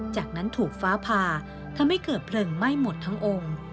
จากนั้นถูกฟ้าผ่าทำให้เกิดเพลิงไหม้หมดทั้งองค์